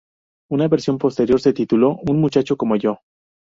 Una versión posterior se tituló "Un muchacho como yo".